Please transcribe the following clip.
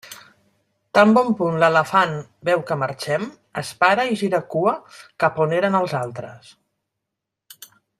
Tan bon punt l'elefant veu que marxem, es para i gira cua cap a on eren els altres.